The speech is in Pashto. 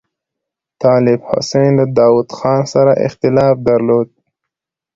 طالب حسین له داوود خان سره اختلاف درلود.